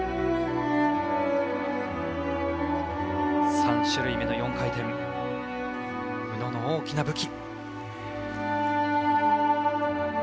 ３種類目の４回転は宇野の大きな武器。